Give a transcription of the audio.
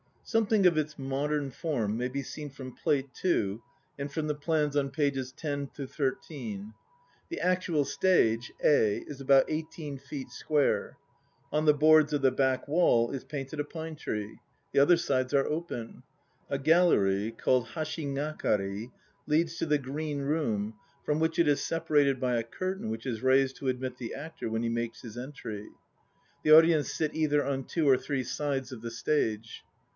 Something of its modern form may be seen from Plate II and from the plans on pp. 10 13. The actual stage (A) is about 18 feet square. On the boards of the back wall is painted a pine tree; the other sides are open. A gallery (called hashigakari) leads to the green room, from which it is separated by a curtain which is raised to admit the actor when he makes his entry. The audience sit either on two or three sides of the stage.